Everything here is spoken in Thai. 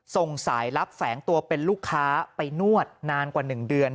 ส่งสายลับแฝงตัวเป็นลูกค้าไปนวดนานกว่า๑เดือน